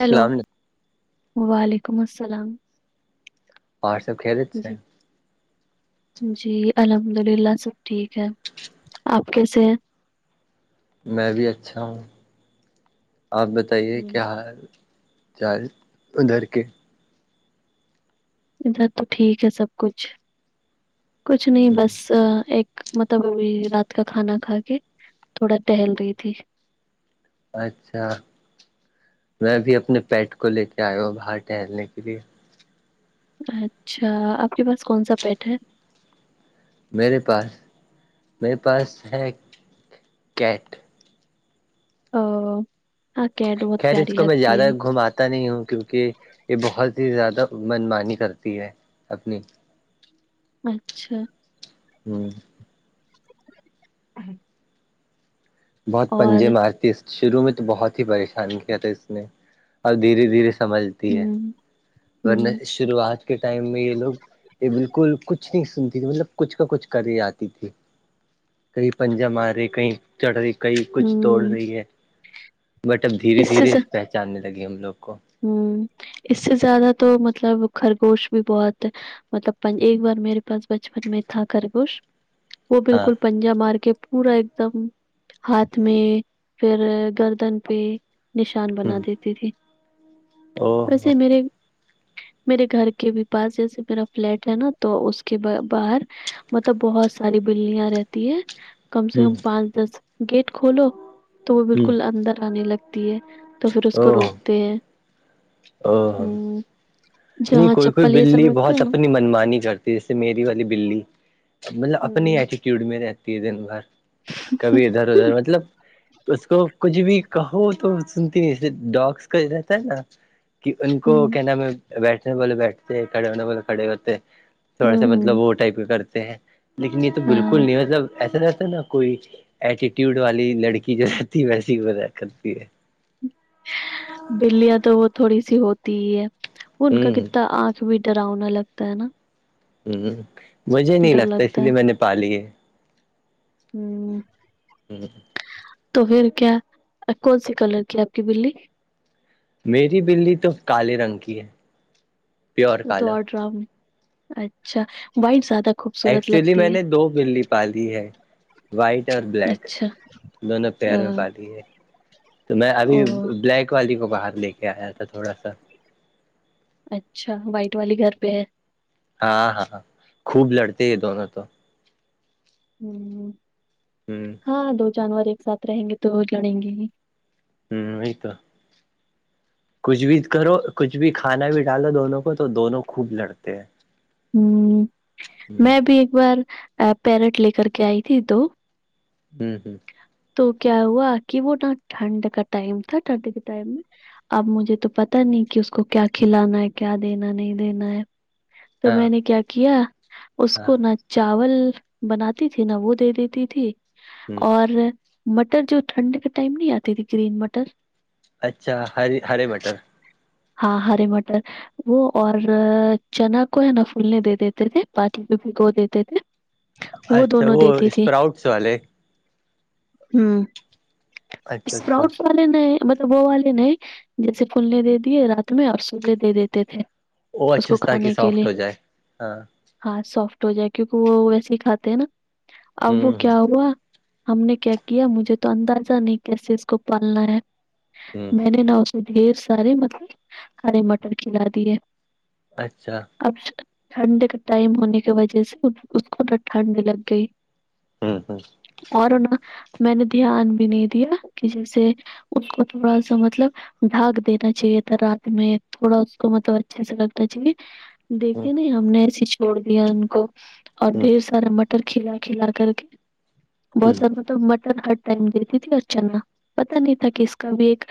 hello السلام علیکم وعلیکم السلام بر سب کھیلے سے جی جی الحمد للہ سب ٹھیک ہے آپ کیسے ہیں میں بھی اچھا ہوں آپ بتائیے ہوں کیا حال چار ادھر کے ادھر تو ٹھیک ہے سب کچھ کچھ نہیں بس ایک مطلب ا رات کا کھانا کھا کے تھوڑا ٹہل رہی تھی اچھا میں بھی اپنے پیٹ کو لے کے آیا ہوں باہر ٹہلنے کے لیے اچھا آپ کے پاس کون سا پیٹ ہے میرے پاس میرے پاس ہے کیٹ او ہاں کیڈ بہت پیاری لگتی ہے پتا نہیں ہوں کیونکہ یہ بہت ہی زیادہ من مانی کرتی ہے اپنی اچھا ہوں بہت اور پنجے مارتی اس شروع میں تو بہت ہی پریشان کیا تھا اس نے اور دھیرے دھیرے سمجھتی ہے ہوں ورنہ ہوں شروعات کے ٹائم میں یہ لوگ یہ بالکل کچھ نہیں سنتی تھی مطلب کچھ کا کچھ کر ہی آتی تھی کئی پا مارے کیں چڑھ رہی کئی کچھ توڑ ہوں رہی ہے بٹ اب دھیرے اس سے دھیرے ز پچ جاننے لگے ہم لوگ کو ہوں اس سے زیادہ تو مطلب خرگوش بھی بہت مطلب ایک بار میرے پاس بچپن میں تھا خرگوش وہ ہاں بالکل پ جا مار کے پورا ایک دم ہاتھ میں پھر گردن پہ نشان ہ بنا دیتی تھی او ہو ویسے میرے میرے گھر کے بھی پاس جیسے میرا فلیٹ ہے نا تو اس کے باہر مطلب بہت ساری بلیاں رہتی ہے کم سے ہ کم پانچ دس گیٹ کھولو تو وہ ہ بالکل اندر آنے لگتی ہے تو پھر اس کو او روکتے ہیں او ہوں نہیں جہاں کوئی کوئی چپل یہ سب بلی رکھتے بہت ہیں نا اپنی منمانی کرتی جیسے میری والی بلی مطلب اپنی ہوں ایٹیٹیوڈ میں رہتی ہے دن بھر کبھی ادھر ادھر مطلب اس کو کچھ بھی کہو تو سنتی نہیں اسے ڈگس کا رہتا ہے نا کہ ان کو ہوں کیا نام ہے بیٹھنے والے بیٹھتے کھڑے ہونے والے کھڑے ہوتے تھوڑا سا ہوں مطلب ہوں وہ ٹائپ کا کرتے ہیں لیکن یہ تو بالکل ہاں نہیں مطلب ایسا رہتا ہے نا کوئی ایٹیٹیوڈ والی لڑکی جو رہتی ہے ویسی وہ کرتی ہے بلیاں تو وہ تھوڑی سی ہوتی ہی ہے ان کا ہ کتنا آنکھ بھی ڈرا ہونا لگتا ہے نا ہ مجھے نہیں ڈر لگتا اسی ہے لیے میں نے پاالی ہے ہوں ہوں تو پھر کیا کون سی کلر کی آپ کی بلی میری بلی تو کالے رنگ کی ہے پیور وہ تو کالا اور ڈراؤ اچھا وائٹ زیادہ خوبصورت ایکچولی میں لگتی نے دو بلی پالی ہے وائٹ اور ہے بلیک اچھا دونوں پیر میں آ، پال ہے تو میں او ابھی بلیک والی کو باہر لے کے آیا تھا تھوڑا سا اچھا وائٹ والی گھر پہ ہے ہاں ہاں خوب لڑتے یہ دونوں تو ہوں ہوں ہاں دو جانور ایک ساتھ رہیں گے تو وہ لڑیں گے ہی ہوں یہ تو کچھ بھی کرو کچھ بھی کھانا بھی ڈالو دونوں کو تو دونوں خوب لڑتے ہیں ہوں ہ میں ابھی ایک بار پیرٹ لے کر کے آئی تھی دو ہ ہوں تو کیا ہوا کہ وہ ن ٹھنڈ کا ٹائم تھا ٹھنڈ کے ٹائم میں اب مجھے تو پتا نہیں کہ اس کو کیا کھلانا ہے کیا دینا نہیں دینا ہے تو ہاں میں نے کیا کیا اس کو نہ چاول بناتی تھی نا وہ دے دیتی تھی ہ اور مٹر جو ٹھنڈ کے ٹائم نہیں آتی تھی گرین مٹر اچھا ہری ہرے بٹر ہاں ہری مٹر وہ اور چنا کو ہے نا پھولنے دے دیتے تھے بات میں بھی گو دیتے تھے اچھا وہ اسپراؤٹس والے ہ اچھا اچھا اسپراٹ والے نہیں مطلب وہ والے نہیں جیسے پھولنے دے دیے رات میں اور سے دے دیتے تھے وہ اس اچھا کو تاکہ کھانے کے سافٹ لیئے ہو جائے ہاں ہاں سافٹ ہو جائے کیونکہ وہ ویسے ہی کھاتے ہیں نا ہ اب وہ ہ کیا ہوا ہم نے کیا کیا مجھے تو اندازہ نہیں کیسے اس کو پالنا ہے ہ ہ میں نے نہ ڈھیر سارے م ہرے مٹر کھلا دی ہے اچھا اب ٹھنڈ کا ٹائم ہونے کی وجہ سے اس کو ٹھنڈ لگ گئی ہ ہ اور میں نے دھیان بھی نہیں دیا کہ جیسے اس کو تھوڑا سا مطلب ڈھاگ دینا چاہیے رات میں تھوڑا اس کو مطلب اچھے سے لگتا ج ہ دیکے نہیں ہم نے ایسی ش توڑ دیا ان کو اور ہ ڈھیر سارا مٹر کھلا کھلا کر کے بہت ہ سارا مطلب م ہر ٹائم دیتی تھی اور چنا پتتا نہیں تھا کہ اس کا بھی ایک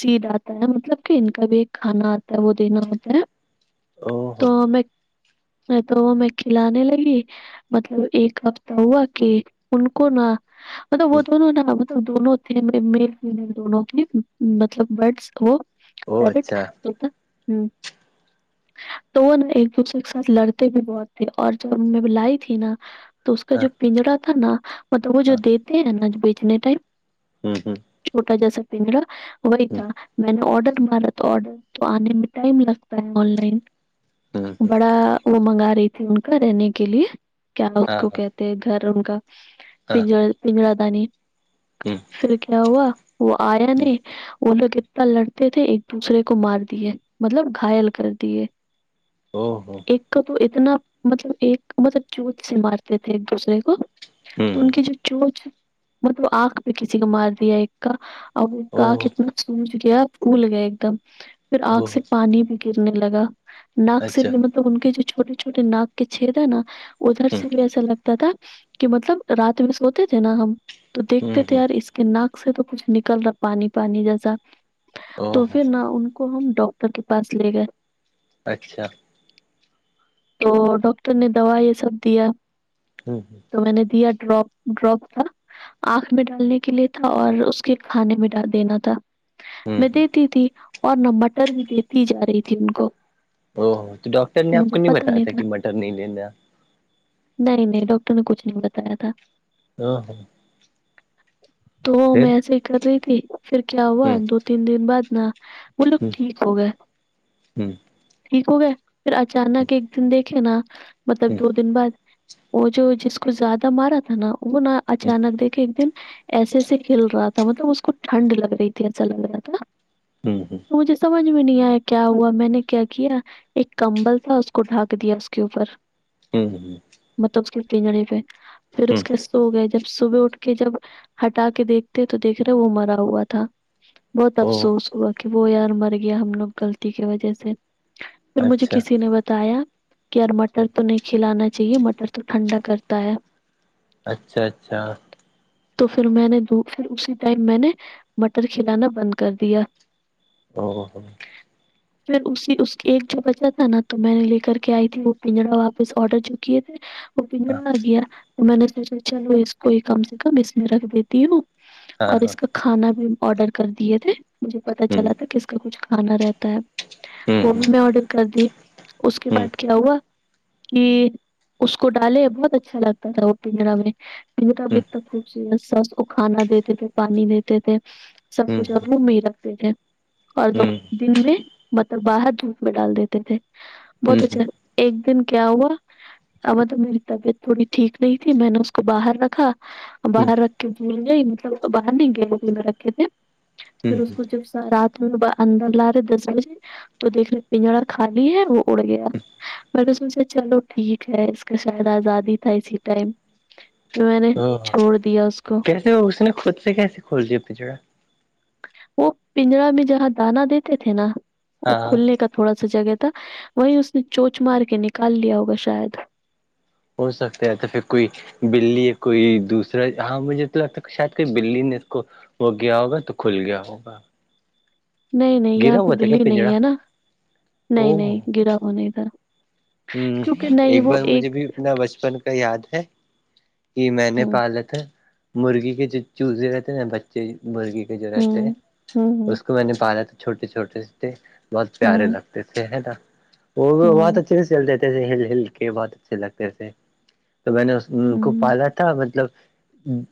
سیڈ آتا ہے مطلب کہ ان کا بھی ایک کھانا آتا ہے وہ دینا ہوتا ہے او تو میں تو میں کھلانے لگی مطلب ایک ہفتہ ہوا کہ ان کو نا مطلب وہ دونوں نا دونوں تھے میل فیمیل دونوں مطلب برڈس ہو او پیرٹ اچھا طوطا تو وہ نا ایک دوسرے کے ساتھ لڑتے بھی بہت تھے اور جب میںں بولائی تھی نا تو اس کا ہاں جو پنجرا تھا نا مطلب وہ جو ہاں دیتے ہیں نا بیچنے ٹائم ہ ہ چھوٹا جیسا پنجرا وہی تھا ہ میں نے آڈر مار تو آڈر تو آنے میں ٹائم لگتا ہے آن لائن ہ ہاں بڑا وہ منگا رہی تھی ان کا رہنے کے لیے کیا اس کو ہاں کہ گھر ان کا ہاں پنجرا پنجرا دانی ہ پھر کیا ہوا وہ آیا ہ نہیں وہ لوگ اتنا تھے ایک دوسرے کو مار دیے مطلب گھائل کر دیے ہوں ہوں ایک کا تو اتنا مطلب ایک مطلب چونچ سے مارتے تھے ایک دوسرے کو ہ ہ تو ان کی جو چوچ مطلب آنکھ پہ کسی کو مار دیا ایک کا اب کا آکھ اوہ اتنا سوج گیا پھول گیا ایک دم پھر آنکھ اوہ سے پانی بھی گرنے لگا ناک سے اچھا لیے مطلب ان کے جو چھوٹے چھوٹے ناک کے چھید ہے نا ادھر ہ سے بھی ایسا لگتا تھا کہ مطلب رات میں سوتے تھے نا ہم تو ہ دیکھتے تھے ہ یار اس کہ ناک سے تو کچھ نکل رہا پانی پانی جیسا تو اوہ پھر نہ ان کو ہم ڈاکٹر کے پاس لے گئے اچھا تو ڈاکٹر نے دوائی یہ سب دیا ہوں ہوں تو میں نے دیا ڈراپ ڈراپ کا آنکھ میں ڈالنے کے لیے تھا اور اس کے کھانے میں ڈال دینا تھا ہ میں ہ دیتی تھی اور نہ مٹر بھی دیتی جا رہی تھی ان کو او تو ڈاکٹر نے آپ کو نہیں بتایا تھا کہ مٹر نہیں لینا نہیں نہیں ڈاکٹر نے کچھ نہیں بتایا تھا [unintelligible] تو میں پھر ایسے ہی کر رہی تھی پھر کیا ہ ہوا ہ دو تین دن بعد نا وہ لوگ ہ ہ ٹھیک ہو گئے ہ ٹھیک ہو گئے پھر اچانک ایک دن دیکھے نا مطلب دو دن بعد وہ جو جس کو زیادہ مارا تھا نا وہ نہ اچانک دیکھے ایک دن ایسےسے ھل رہا تھا مطلب اس کو ٹھنڈ لگ رہی تھی ایسا لگ رہا تھا ہ تو مجھے سمج سمج میں نہیں آیا کیا ہوا میں نے کیا کیا ایک کمبل تھا اس کو ڈھک دیا اس کے اوپر ہوں مطلب اس کے پنجریی پہ پھر ہ اس کے ہو گئے جب صبح اٹھ کے جب ہٹا کے دیکھتے تو دیکھ رہے وہ مرا ہوا تھا بہت او افسوس ہوا کہ وہ یار مر گیا ہم لوگ غلطی کی وجہ سے پھر مجھے اچھا کسی نے بتایا کہ یار مٹر تو نہیں کھلانا چاہیے مٹر تو ٹھنڈا کرتا ہے اچھا اچھا تو پھر میں نے پھر اسی ٹائم میں نے مٹر کھلانا بند کر دیا او ہ پھر اسی اس ایک جو بچا تھا نا تو میں نے لے کر کے آئی تھی وہ پنجرا واپس آڈر جو کیے تھے ج وہ پنگڑا آ گیا تو میں نے سوچا چلو اس کو کم سے کم اس میں رکھ دیتی ہوں ہاں اور ہاں اس کا کھانا بھی آڈر کر دیے تھے مجھے پتا ہ ہ چلا تھا کس کا کچھ کھانا رہتا ہے ہ ہ وہ بھی ہ ہ میں آڈر کر دی اس کے ہ بعد کیا ہوا کہ اس کو ڈالے بہت اچھا لگتا تھا وہ پنجرا میں م اب تک خچی سس کو کھانا دیتے تھے پانی دیتے تھے سب ہ کچھ آپ م ہی رکھتے ہیں اور دن میں مطلب باہر دھوپ میں ڈال دیتے تھے بہت ہ اچھا ایک دن کیا ہوا اب تو میری طبیعت تھوڑی ٹھیک نہیں تھی میں نے اس کو باہر رکھا باہر رکھ کے دھول گ مطلب باہر نہیں گئے ا میں رکھے تھے پھر ہ اس کو جب رات اندر لا رہے دس بجے تو دیکھ رہے پنجرا خالی ہے وہ اڑ گیا پر سوچا چلو ٹھیک ہے اس کا شاید آزادی تھا اسی ٹائم پ میں نے ہ چھوڑ دیا اس کو کیسے اس نے خود سے کیسیے کھول دییا اپنی جگہ وہ پنجرا میں جہاں دانا دیتے تھے نا وہ ہاں کھلنے کا تھوڑا سا جگہ تھا وہی اس نے چوچ مار کے نکال لیا ہوگا شاید ہو سکتا ہے تو پھر کوئی بلی کوئی دوسرا ہاں مجھے تو لگتا ہے شاید کہ بلی نے اس کو وہ گیا ہوگا تو کھل گیا ہوگا نہیں نہیں یہاں گرا پہ ہوا تھا کیا بلی نہیں پنجڑا ہے نا او نہیں نہیں گرا ہو نہیں تھا ہوں کیونکہ نہیں ایک وہ بار مجھے بھی اپنا بچپن کا یاد ہے کہ میں نے ہوں پالا تھا مرغی کے جو چوزے رہ تھے نا بچے مرغی جو رہتے ہوں ہوں اس کو میں نے پالا تو چھوٹے چھوٹے تھے بہت پیارے ہوں لگتے تھے نا وہ بت ہوں اچ چل دیتے تھ تھے ہل ہل کے بہت اچھے لگتے تھ تھے تو میں نے اس کو ہوں پالا تھا مطلب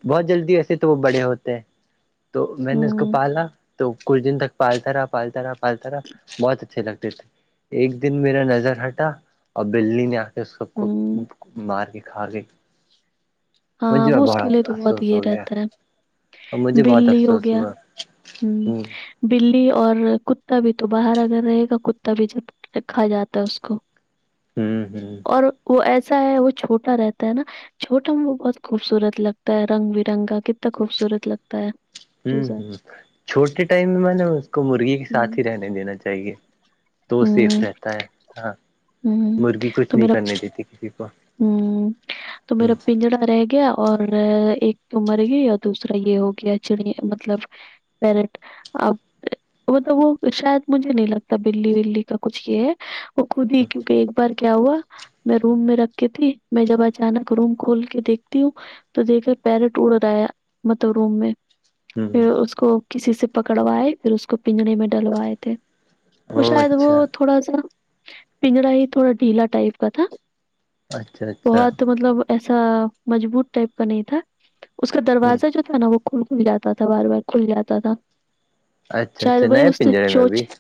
بہت جلدی ایسے تو وہ بڑے ہوتے ہیں تو میں نے اس کو ہوں پالا تو کچھ دن تک پالتا رہا پالتا رہا پالتا رہا بہت اچھے لگتے تھے ایک دن میرا نظر ہٹ اور بللی نے آ کے سب کو ہوں مار کے کھا گئی ہاں مجھے بوس کے لیے بہت تمہ تو افسوس ہو گیا یہیرتر اور مجھے بہت بلی ہو افسوس گیا ہوا ہ بلی اور کتا بھی تو باہر اگر رہے گا کتا بھی جب رکھا جاتا ہے اس کو ہوں ہوں اور وہ ایسا ہے وہ چھوٹا رہتا ہے نا چھوٹا ہم بہت خوبصورت لگتا ہے رنگ برنگ کا کتنا خوبصورت لگتا ہے ہوں چوزا ہوں چھوٹے ٹائم میں میں نے اس کو مرغی کے ساتھ ہوں ہی رہنے دینا چاہیے تو سیف ہوں رہتا ہے ہاں ہوں مرغی کچھ تو نہیں میرا کرنے دیتی کسی کو ہوں تو ہ میرا پنجرا رہ گیا اور ایک مر گئی اور دوسرا یہ ہو گیا چڑیا مطلب پیرٹ اب وہلب وہ شاید مجھے نہیں لگتا بلی ولی کا کچھ یہ ہے وہ خود ہی کیونکہ ایک بار کیا ہوا میں روم میں رکھ تے میں جب اچانک روم کھول کے دیکھتی ہوں تو دیکھ کر پیرٹ اڑ رہایا مطلب روم میں پھر اس کو کسی سے پکڑوائے پھر اس کو پنجرے میں ڈلوائے وہ او شاید وہ اچھا تھوڑا سا پنجرا ہی تھوڑا ڈھیلا ٹائپ کا تھا اچھا اچھا بہت مطلب ایسا مجبوط ٹائپ کا نہیں تھا اس کا ہ دروازہ جو ہے نا وہ کھل کھل جاتا تھا بار بار کھل جاتا تھا اچھا چل اچھا وہئی نئے اس کی پنجرے میں چوچ بھی ہے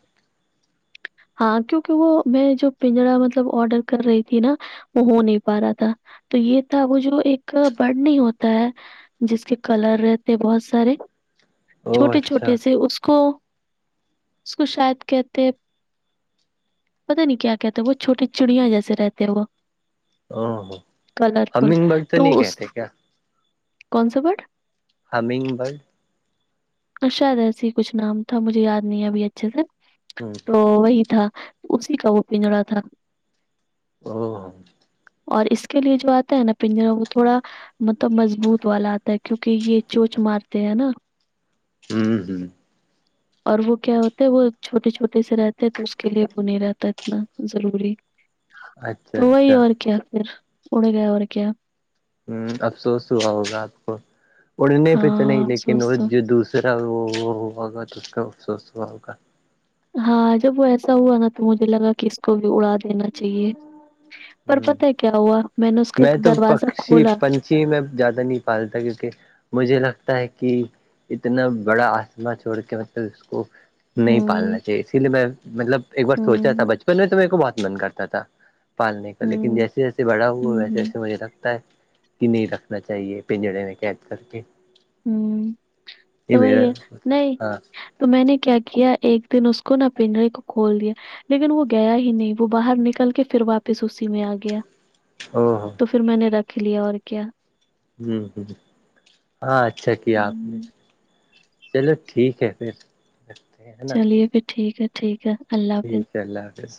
ہاں کیونکہ وہ میں جو پنجرا مطلب آڈر کر رہی تھی نا وہ ہو نہیں پا رہا تھا تو یہ تھا وہ جو ایک برڈ نہیں ہوتا ہے جس کے کلر رہتے بہت سارے او چھوٹے اچھا چھوٹے سے اس کو اس کو شاید کہتے پتا نہیں کیا کہ ہے وہ چھوٹیے چڑیاں جیسے رہتے ہیں وہ او کلرفل ہمین بٹ تو نہیں اس کہتے کیا کون سا بڈ حمینگ برگ اچھا ریسی کچھ نام تھا مجھے یاد نہیں ابھی اچھے سے ہ تو وہی تھا اسی کا وہ پنجرا تھا ا ہاں ہاں اور اس کے لیے جو آتا ہے نا پنجرا وہ تھوڑا مطلب مضبوط والا آتا ہے کیونکہ یہ چوچ مارتے ہیں نا ہوں ہوں اور وہ کیا ہوتا ہے وہ چھوٹے چھوٹے سے رہتے ہیں تو اس کے لیے وہ نہیں رہتا اتنا ضروری اچھا تو وہی اچھا اور کیا پھر اڑ گیا اور کیا ہ افسوس ہوا ہوگا آپ کو اڑنے پہ تو نہیں ہاں لیکن افسوس وہ تو جو دوسرا پرا وہ وہ ہو ہوگا تو اس کا افسوس ہوا ہوگا ہاں جب وہ ایسا ہوا نا تو مجھے لگا کہ اس کو بھی اڑا د دینا چاہیے پر ہوں پت ہے کیا ہوا میں نے اس کا تو دروازہ پکشی کھولا پنچھی میں زیادہ نہیں پالتا کیونکہ مجھے لگتا ہے کہ اتنا بڑا آسما چھوڑ کے مطلب اس کو نہیں ہوں پالنا چاہیے اسی لیے میں مطلب ایک بار سوچا تھا ہوں بچپن میں تو میرے کو بہ من کرتا تھا پالنے کا لیکن ہوں جیسے جیسے بڑا ہوا ہوں ویسے ہوں ویسے مجھے لگتا ہے کہ نہیں رکھنا چاہیے پنجڑے میں قید کر کے ہوں یہ تو وہی میرا ہے نہیں ہاں تو میں نے کیا کیا ایک دن اس کو نہا پنڈرے کو کھول دیا لیکن وہ گیا ہی نہیں وہ باہر نکل کے پھر واپس اسی میں آ گیا ہاں ہاں تو پھر میں نے رکھ لیا اور کیا ہ ہ ہاں اچھا کیا آپ نے ہوں، چلو ٹھیک ہے پھر کرتے ہیں نا چلیے پھر ٹھیک ہے ٹھیک ہے اللہ حافظ ٹھیک ہے اللہ حافظ